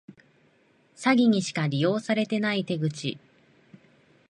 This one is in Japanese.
詐欺にしか利用されてない手口